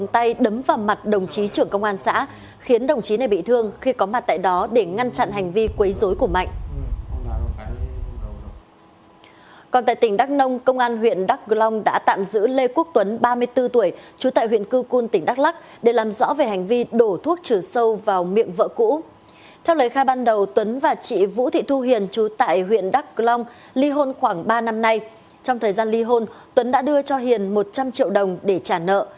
trong thời gian ly hôn tuấn đã đưa cho hiền một trăm linh triệu đồng để trả nợ